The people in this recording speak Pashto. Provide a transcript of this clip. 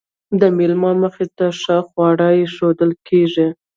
د میلمه مخې ته ښه خواړه ایښودل کیږي.